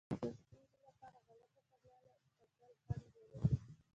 د ستونزې لپاره غلطه تګلاره ټاکل خنډ جوړوي.